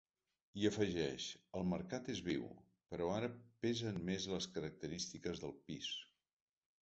I afegeix: El mercat és viu, però ara pesen més les característiques del pis.